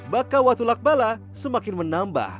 baka watulak bala semakin menambah